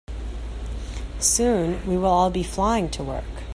Soon, we will all be flying to work.